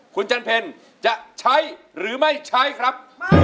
คุณจันเพลจะใช้หรือไม่ใช้ครับ